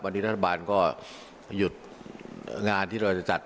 วันนี้รัฐบาลก็หยุดงานที่เราจะจัด